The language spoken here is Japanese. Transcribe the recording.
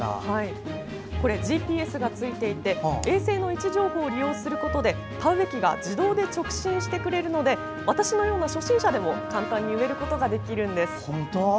これＧＰＳがついていて衛星の位置情報を利用することで田植え機が自動で直進してくれるので私のような初心者でも簡単に植えることができるんです。